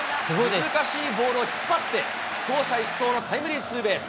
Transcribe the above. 難しいボールを引っ張って、走者一掃のタイムリーツーベース。